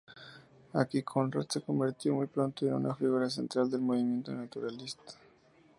Aquí Conrad se convirtió muy pronto en una figura central del movimiento naturalista.